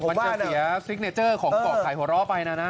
มันจะเสียสิกเนเจอร์ของเกาะขายโหล้ไปนะนะ